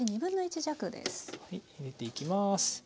入れていきます。